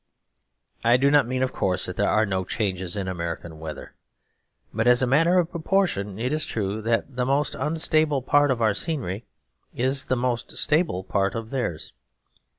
I do not mean, of course, that there are no changes in American weather; but as a matter of proportion it is true that the most unstable part of our scenery is the most stable part of theirs.